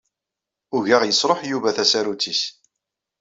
Ugaɣ yesṛuḥ Yuba tasarut-ines.